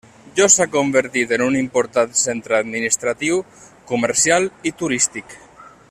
Jos s'ha convertit en un important centre administratiu, comercial i turístic.